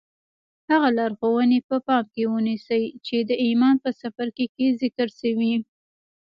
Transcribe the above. هغه لارښوونې په پام کې ونيسئ چې د ايمان په څپرکي کې ذکر شوې.